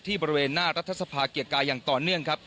ที่บริเวณน้ารัฐศรภะเกียรติกายอย่างต่อเนื่อง